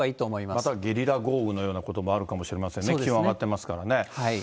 またゲリラ豪雨のようなこともあるかもしれませんね、気温上がってますからね。